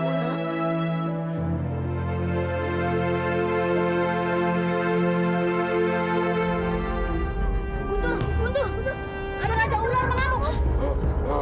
guntur guntur guntur ada raja ular mengarut